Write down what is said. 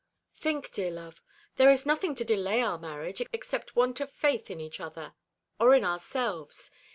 "Think, dear love, there is nothing to delay our marriage, except want of faith in each other, or in ourselves.